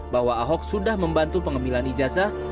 bahwa ahok sudah membantu pengambilan ijazah